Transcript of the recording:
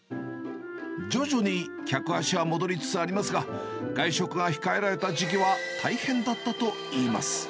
徐々に客足は戻りつつありますが、外食が控えられた時期は、大変だったといいます。